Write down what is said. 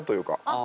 あ。